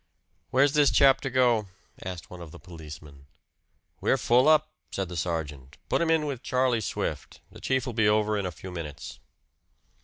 "Where's this chap to go?" asked one of the policemen. "We're full up," said the sergeant. "Put him in with Charlie Swift. The chief'll be over in a few minutes."